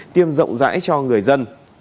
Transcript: tiêm rộng rãi cho người dân